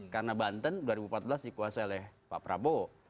karena banten dua ribu empat belas dikuasai oleh pak prabowo